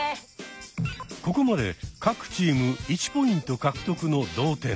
ここまで各チーム１ポイント獲得の同点。